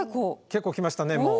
結構きましたねもう。